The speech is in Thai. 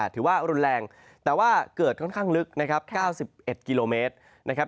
ถือว่ารุนแรงแต่ว่าเกิดค่อนข้างลึกนะครับ๙๑กิโลเมตรนะครับ